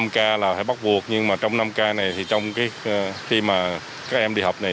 năm k là phải bắt buộc nhưng mà trong năm k này thì trong cái khi mà các em đi học này